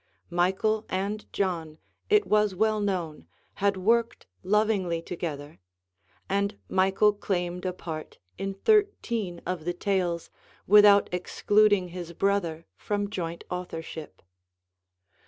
Michael and John, it was well known, had worked lovingly together, and Michael claimed a part in thirteen of the tales, without excluding his brother from joint authorship.